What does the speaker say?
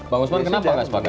bang usman kenapa nggak sepakat